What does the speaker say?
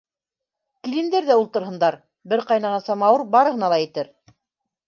Килендәр ҙә ултырһындар, бер ҡайнаған самауыр барыһына ла етер.